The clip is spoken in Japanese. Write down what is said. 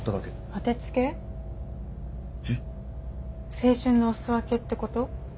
青春のお裾分けってこと？